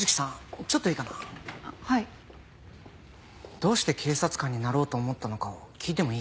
どうして警察官になろうと思ったのかを聞いてもいい？